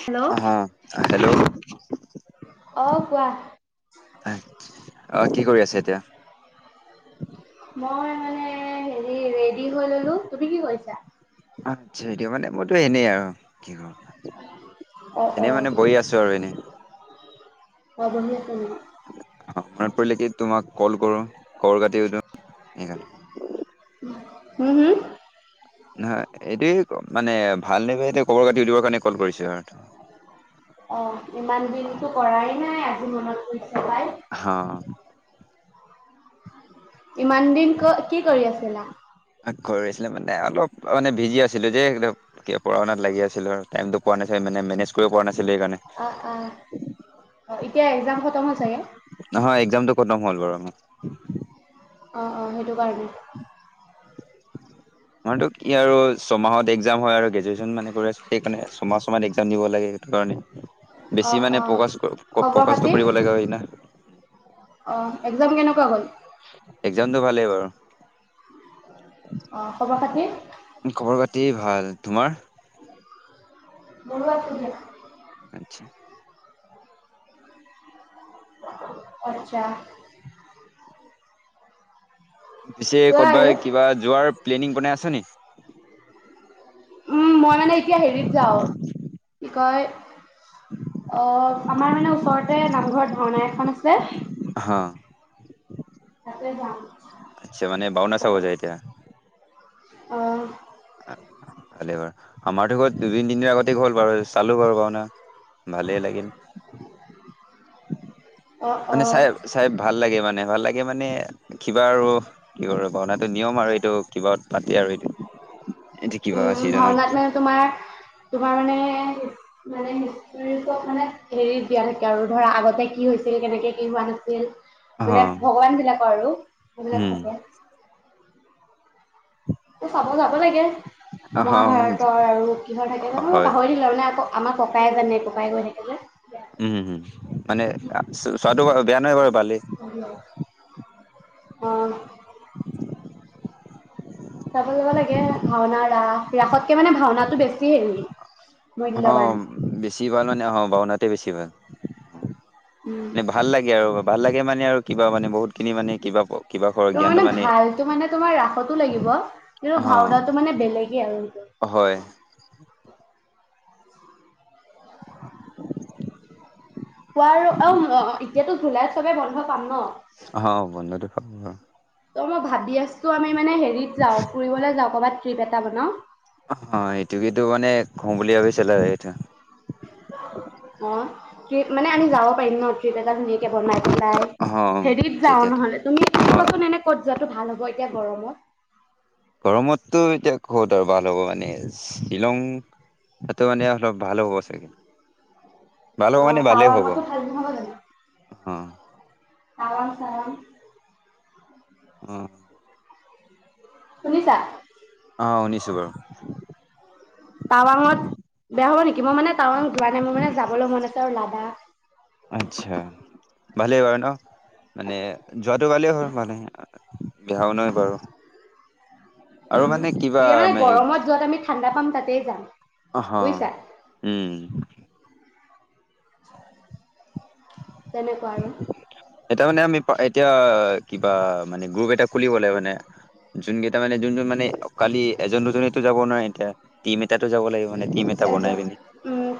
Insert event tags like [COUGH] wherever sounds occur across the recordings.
Hello আহ, hello? অ' কোৱা। আহ কি কৰি আছে, এতিয়া? মই মানে হেৰি ৰেডি হৈ ললো তুমি কি কৰিছা? এ এনেই আৰু কি কৰ অ' এনেই মানে অ'। বহি আছো আৰু এনেই অ বহি আছা নেকি? অ, মনত পৰিলে কি তোমাক কল কৰো। খৰ কাটি উ দি [UNINTELLIGIBLE] হোঁ হোঁ নহয় এইটোৱে মানে ভাল নে বেয়া এতিয়া খবৰ কাতি উলিয়াবৰ কাৰণে কল কৰিছে আৰু অ, ইমান দিনতো কৰাই নাই আজি মনত পৰিছে পাই। অহঁ। ইমান দিন কি কৰি আছিলা কৰিছিলে মানে অলপ মানে বিজি আছিলো যে ম পঢ়া শনাত লাগি আছিল আৰু। টাইমটো পোৱা না মানে মেনেজ কৰিব পৰা নাই। আহ আহ অ' এতিয়া এক্জাম খতম হ'ল চাগে? [UNINTELLIGIBLE] [UNINTELLIGIBLE] নহয় এক্জামটো খতম হ'ল বাৰু। [INAUDIBLE] অঁ', অঁ', সেইটো কাৰণে। মটো কি আৰু ছমাহত এক্জাম হয় আৰু গ্ৰেজুৱেচন মানে কৰি আছো সেইকাৰণে ছমাহ ছয়ম এক্াম দিব [UNINTELLIGIBLE] লাগে কাৰণে? বেছি অ' মানে অ'। প্ৰকাশ খবৰ প্ৰকাশটো খাতি? কৰিব লাগা হয় ন অ' এক্জাম কেনেকুৱা গল [UNINTELLIGIBLE] এক্জামটো ভালেই বাৰু। অ খবৰ পাতি খবৰ পাতি ভাল তোমাৰ বৰুোৱা চুধা। [UNINTELLIGIBLE] আতছা পৰ্জা পিছে কোৱা আৰু ক'বাই কিবা যোৱাৰ প্লেনিং আছে নেকি। উম, মই মানে এতিয়া হেৰিত যাওঁ। গ [UNINTELLIGIBLE] অ, আমাৰ মানে ওচৰতে নাম। ঘৰত ভাওণা এখন আছে [UNINTELLIGIBLE] অ। তাতে যাম। আচ্ছা মানে ভাওনা চাব হৈ যায় এতিয়া। [UNINTELLIGIBLE] আহ ভাল হয় আমাৰ ত দু-দিন [UNINTELLIGIBLE] দিন, দি আগত হ'ল বাৰু চালো বাৰু পাওনা [UNINTELLIGIBLE] ভালেই লাগিল। অ', মানে অ', চাহেব, চাহেব ভাল লাগে মানে ভাল লাগে। [UNINTELLIGIBLE] গে মানে কিবা আৰু কি কৰে, ভাওনাটো নিয়ম আৰু। এইটো কিবা পাতি আৰু এইটো। [UNINTELLIGIBLE] কিবা উম চিজনত ভাওনাত মানে তোমাৰ তোমাৰ মানে মানে হিষ্টীৰ ওপৰত মানে হেৰিত দিয়া থাকে আৰু ধৰা আগতে কি হৈছিল কেনেকে কি হোৱা নাছিল অ [UNINTELLIGIBLE] মানে ভগৱান বিলাকৰ আৰু সেইবিলাক উম থাকে চাব যা। আক লাগে, অ মহাভাৰতৰ আৰু কিহৰ থাকে জানো হয় পাহৰিলো মানে আকৌ আমাৰ ককাইে জানে ককাই গৈ থাকে যে। উম, উম, মানে চোৱাটো বেয়া নহয় বাৰু ভালে। অ'। চাব যাব লাগে ভাওনা ৰাস, ৰাসত। মূল্যৱান অ' বেছি ভাল মানে অ' ভাওনাতো বেছি ভাল। উম মানে ভাল লাগে আৰু। ভাল লাগে মানে আৰু কিবা মানে বহুত। খিনি মানে কিবা কিবা ঘৰৰ তোমাৰ জ্ঞানটো মানে ভালটো মানে তোমাৰ ৰাসতো লাগিব কিন্তু অ ভাওনাটো মানে বেলেগে আৰু। হয় খোৱা অ' এতিয়াতো জুলাইত চবে বন্ধ পাম ন। অ' বন্ধটো। [UNINTELLIGIBLE] ত' মই ভাবি আছো আমি মানে হেৰিত যাওঁ ফুৰিলৈ যাওঁ ক'ৰবাত। ট্ৰিপ এটা বনাওঁ। অ', অ'এইটো কিন্তু মানে। কও বুলি ভাবিছিলো এইটো অ' ত্ৰিপ মানে আমি যাব পাৰিম ন ট্ৰিপ এটা ধুনীয়াকে বনাই বনাই অ হেৰিত যাওঁ তেতিয়াতো নহ'লে তুমি অ চাবাচোন এনে ক'ত যোৱাটো ভাল হ'ব এতিয়া গৰমত? গৰমতটো এতিয়া ক'ত আৰু ভাল হ'ব মানে শ্বিলং তাতে মানে অলপ ভাল হ'ব চাগে। ভাল হ'ব অ' মানে ভালেই হ'ব টাৱাঙতো ভাল হব জানো। অ'। টাৱাং চাৱাং। অ'। শুনিছা? অ' শুনিছো বাৰু। টাৱাঙত বেয়া হব নেকি? মই মানে টাৱাং যোৱা নাই। মোৰ মানে যাবলৈ মন আছে আৰু লাডাখ। আচ্ছা ভালেই বাৰু ন মানে যোৱাটো ভালেই হয় ভালে বেয়াও নহয় বাৰু। আৰু উম মানে কিবা এতিয়া মানে গৰমত য'ত আমি ঠাণ্ডা পাম তাতেই যাম অহ বুজিছা? উম [INAUDIBLE] তেনেকুৱা আৰু এতিয়া মানে আমি এতিয়া কিবা মানে গ্ৰুপ এটা খুলিব লাগে মানে, যোন কেইটা মানে যোন যোন মানে খালি এজন দুজনেতো যাব নোৱাৰে এতিয়া টিম এটাতো যাব লাগিব। মানে টিম এটা বনাই এজন পিনি উম,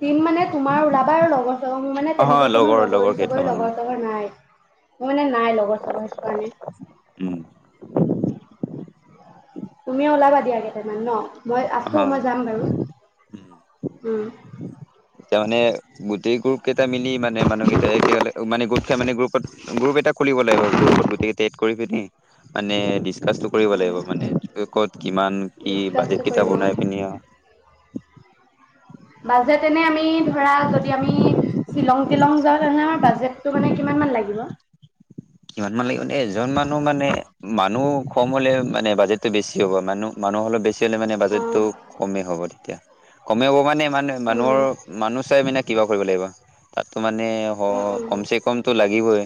টিম মানে তোমাৰ যাবা আৰু লগত মানে অহ তেনেকুৱা কোনো লগৰ লগৰ লগৰী চগৰী কেইটামান লগৰ চগৰ নাই। মোৰ মানে নাই লগৰ চাগৰ সেইটো কাৰণে অহ তুমিও ওলাবা দিয়া [UNINTELLIGIBLE] ন মই অহ আছো মই জাম বাৰু উম উম এতিয়া মানে গোটেই গ্ৰুপ কেইটা মিলি মানে মানুহকেইটা একে মানে মানে গ্ৰুপত-গ্ৰুপ এটা খুলিব লাগিব। গ্ৰুপত গোটেইকেইটা এড কৰি কিনে মানে [UNINTELLIGIBLE] কৰিব উম, লাগিব মানে ক'ত কিমান কি ডিচকাচটো বাজেট কিটা কৰিম অ, বনাই পিনি বাজেট এনে আমি ধৰা যদি আমি শ্বিলং তিলং যাওঁ তেনেহলে আমাৰ বাজেটটো মানে কিমান মান লাগিব কিমান মান লাগিব মানে এজন মানুহ মানে মানুহ কম হলে মানে বাজেটটো বেছি হ'ব মানুহ মানুহ অলপ বেছি মানে অ', বাজেটো কমেই হ'ব তেতিয়া কমে হব মানে মানে উম, মানুহৰ মানুহ চাই মানে কিবা কৰিব লাগিব তাত মানে উম, উম, কম চে কমতটো লাগিবই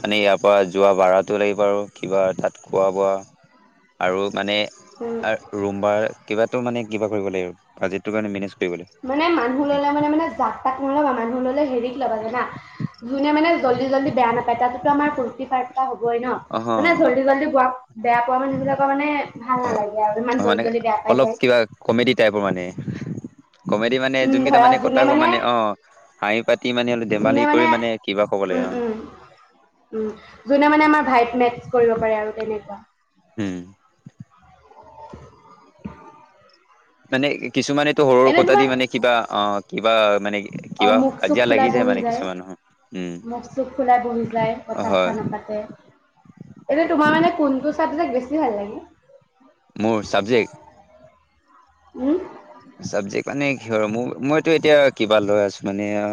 মানে ই যোৱা ভঢ়াতো লাগিব আৰু কিবা তাত খোৱা বোৱা আৰু মানে উম। ৰুম বাৰ কিবাটো মানে কিবা কৰিব লাগিব বাজেটো কাৰণে মেনেজ কৰিব লাগিব। মানে মানুহ ললে মানে মানে জাক তাক নল'বা মানুহ ললে হেৰিক ল'বা জানা যোনে মানে জল্দি জল্দি বেয়া নাপায় তাতোতো আমাৰ পূৰ্ণ ফাৰ্টা হবই ন অ মানে হয় জল্দি জল্দি প বেয়া পোৱা মানুইবিলাকৰ মানে ভাল নালাগে আৰু ইমান হয়-হয় জল্দি মানে জল্দি বেয়া পাই অলপ যায়। কিবা কমেডি টাইপৰ মানে কমেডি মানে উম যোনকেইটা ধৰা কথা যোনে ক মানে অ হাঁহি পাতি মানে অলপ ধেমালি যোনে কৰি মানে কিবা ক'ব লাগে অ উম উম উম যোনে মানে আমাৰ ভাইব মেত্চ কৰিব পাৰে আৰু তেনেকুৱা হুম মানে কিছুমানেতো সৰু সৰু এনে কথাত দি তোমাৰ মানে কিবা অঁ কিবা মানে অ', কিবা মুখ চুখ কাজিয়া ফুলাই লাগি যায় বহি মানে কিছুমান উম মুখ চুখ ফুলাই বহি যায়, কথা চথা হয়। নাপাতে। তাক বেছি ভাল লাগে মোৰ চাবজেক্ট উম চবজেকট মানে কিহৰ মোৰ মইতো এতিয়া কিবা লৈ আছো মানে অ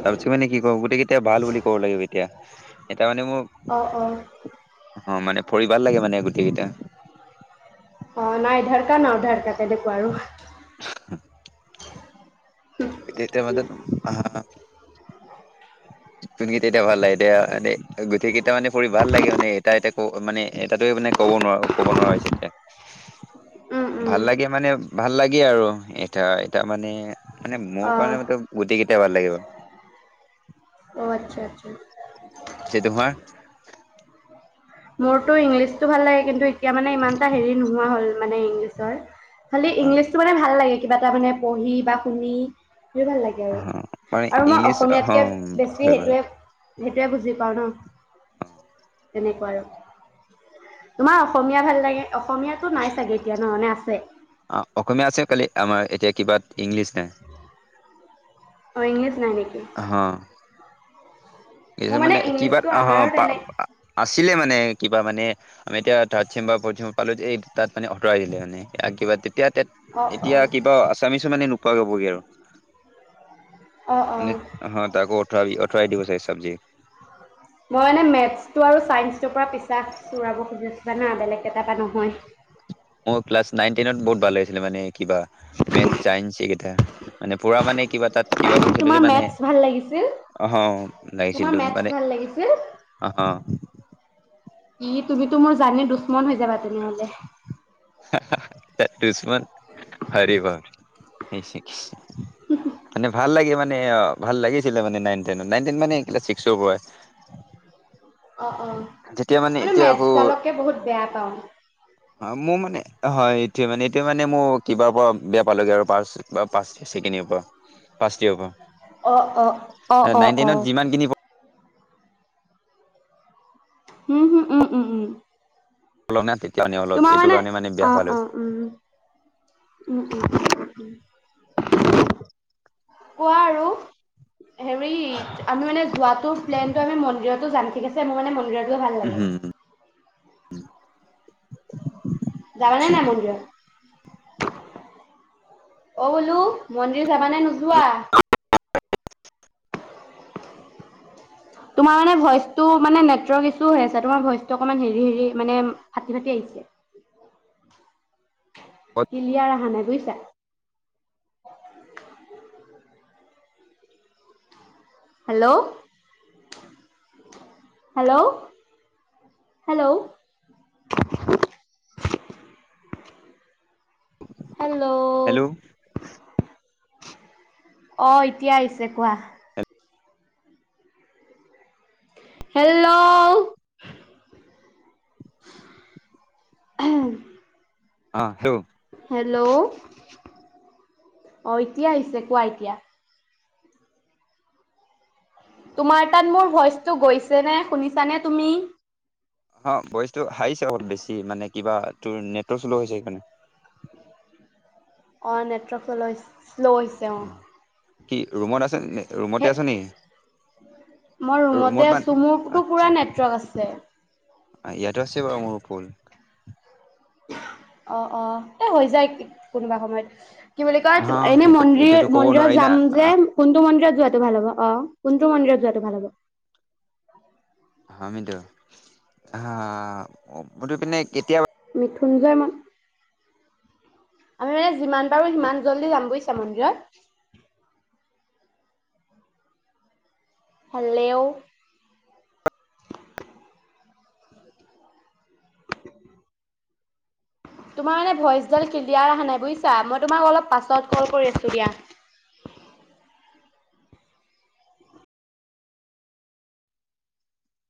চাব চ মানে কি ক গোটেই কেইতিয়া ভাল বুলি ক'ব লাগিব এতিয়া। ত মানে মোৰ অ', অ', অ মানে ফঢ়িবাল লাগে মানে গোটেই কেইটা অ নাই ঢাৰকা ন ঢাৰকাতে দেখো আৰু [UNINTELLIGIBLE] তিতিয়া মত অ কোনকেইটা এতিয়া ভাল লাগে এতিয়া এ গোটেই কেইটা মানে পঢ়ি ভাল লাগে মানে এটা এয়া ক মানে এটাতয়োনে কব নোৱাৰো ক'ব নোৱাৰা হৈছে এতিয়া। উম, [UNINTELLIGIBLE] ভাল উম, লাগে মানে ভাল লাগে। গে আৰু এতয়া এতা মানে মানে মোৰ কাৰণে অ', গোটেই কেইটা, কেতি ভাল লাগিব। অঁ আচ্ছা আচ্ছা। স তোমাৰ? মোৰতটো ইংলিছতটো ভাল লাগে কিন্তু এতিয়া মানে ইমানটা হেৰি নোহোৱা হ'ল মানে ইংলিছ ছয় খালি অ ইংলিছতটো মানে ভাল লাগে কিবা। তাৰমানে পঢ়ি বা শুনি দুু ভাল লাগে অ আৰু মানে আৰু মই ইংলিছ অ অসমীয়াতকে বেছি হয় বাৰু সেইটোৱে, সেইটোৱে বুজি পাওঁ ন। তেনেকুৱা আৰু তোমাৰ অসমীয়া ভাল লাগে। অসমীয়াাতটো নাই চাগৈ এতিয়া নহয় মানে আছে? অ অসমীয়া আছে খালি আমাৰ এতিয়া কিবা ইংলিছ ন অ ইংলিছ নাই নিকি? হা। মোৰ মানে কিবা ইংলিছটো অ আমাৰো তেনে আছিলে মানে কিবা মানে আমি এতিয়া থৰ্ড ছেম বা ফৌত ছেম পালো যে এই তাত মানে আঁতৰাই দিলে মানে কিবা এতিয়া অ', এতিয়া অ', কিবা আছামিছো মানে নোপোৱা যাবগৈ আৰু অ', মানে অ'। হ তাকো। ঠবি অতৰাই দিব চাগে চাবজেক্ত মই মানে মেটছটো আৰু চাইন্সটোৰ পৰা পিছা চোৰাব খুজিছিলো জানা, বেলেগ কেইটা বা নহয়। মোৰ ক্লাছ নাইন-টেনত বহুত ভাল লাগিছিলে মানে। কিবা মেচ চাইনচ এইকেইটা। মানে পুৰা মানে কিবা তাত কিবা কৰিছিলো তোমাৰ যে। মানে মেথছ ভাল লাগিছিল? অ, তোমাৰ লাগিছিল মেথছ মানে ভাল লাগিছিল? অ। ই তুমিতো মোৰ জানি দুছমন হৈ দে বাদ দিলো আৰু দে। দুছমন হৰি ব [UNINTELLIGIBLE] মানে ভাল লাগে মান মানে ভাল লাগিছিলে মানে নাইন টেনত। নাইন টেন মানে এই ক্লাছ ছিক্সৰ পৰাই। অ, অ। যেতিয়া মানে এতিয়া আকৌ অ। অ, মোৰ মানে হয়। তিয়া মানে এতিয়া মানে মোৰ কিবাৰ পৰা বেয়া পালেগে আৰু পাঁচ বা পাঁচ ছেকেণ্ড পৰা ফাচ য়েৰৰ পৰা। অ, অ। অ, অ, নাইন অ। টেনত যিমান খিনি উম উম উম উম উম অলপ না তেতিয়া মানে অলপ তোমাৰ এইটো মানে কাৰণে বেয়া অ পালো অ উম উ উম উম উ। কোৱা আৰু হেৰি আমি মানে যোৱাতো প্লেনটো আমি মন্দিৰতো জান ঠিকছে মান মোৰ মন্দিৰৰ ভাল লাগে। উম [INAUDIBLE] যাবা আচ্ছা নাই মন্দিৰত? অ, বোলো মন্দিৰ যাবা নে নোযো কোৱা। তোমাৰ মানে ভইচটো মানে নেটৱৰ্ক ইছু হৈ আছে। তোমাৰ ভইচটো অকমান হেৰি-হেৰি মানে ফাটি-ফাটি আহিছে। কিলিয়াৰ আহা নাই বুইছা? [INAUDIBLE] Hello hello hello. Hello hello অ, এতিয়া আহিছে কোৱা। হেল্লও [UNINTELLIGIBLE] অ হে হেল্ল' অ, এতিয়া আহিছে কোৱা এতিয়া। তোমাৰ তাত মোৰ ভইচটো গৈছে নে? শুনিছানে তুমি? অ ভইচটো হাইছে অলপ বেছি মানে কিবা তোৰ নেটটো শ্ল' হৈছে সেইকাৰণে অ নেটৱৰ্কলৈ শ্ল' হৈছে অঁ কি ৰুমত আছে ৰুমতে আছে নে মই ৰুমতে ৰুমত বা আছো মোৰতো পুৰা আচ্ছা নেটৱৰ্ক আছে ইয়াতো আছে বাৰু মোৰ ফুল অ অ এ হৈ যায় কোনোবা সময়ত কি বুলি কয় হা এনে সেইটো এইটোতো মন্দিৰ ক'ব মন্দিৰত নোৱাৰি না যাম যে কোনটো মন্দিৰত যোৱাতটো ভাল হ'ব [UNINTELLIGIBLE] অ কোনটো মন্দিৰত যোৱাটো ভাল হ'ব হয়িতো পিনে কেতিয়া [UNINTELLIGIBLE] থুজাই মা [UNINTELLIGIBLE] আমি মানে যিমান পাৰো সিমান জল্দি যাম বুজিছা মন্দিৰত হলেও [INAUDIBLE] তোমাৰ এনে ভইচবিডাল ক্লিয়াৰ অহা নাই বুজিছা মই তোমাক অলপ পাছত কল কৰি আছো দিয়া